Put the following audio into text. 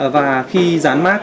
và khi dán mát